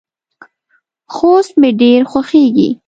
خوست مې ډیر خوښیږي.